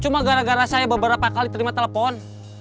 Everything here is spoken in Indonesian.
cuma gara gara saya beberapa kali terima telepon